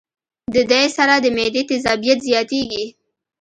د دې سره د معدې تېزابيت زياتيږي